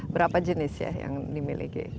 berapa jenis ya yang dimiliki